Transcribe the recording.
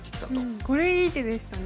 これいい手でしたね。